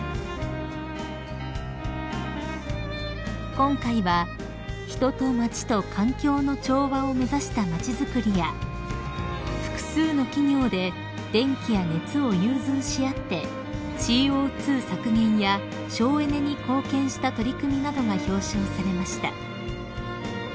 ［今回は「人と街と環境の調和」を目指した街づくりや複数の企業で電気や熱を融通し合ってＣＯ２削減や省エネに貢献した取り組みなどが表彰されました］